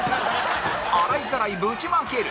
洗いざらいぶちまける！